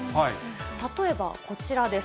例えばこちらです。